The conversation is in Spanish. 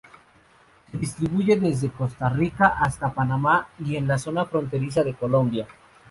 Se distribuye desde Costa Rica hasta Panamá y en la zona fronteriza de Colombia.